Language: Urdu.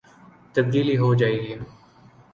تبدیل ہو جائے گی۔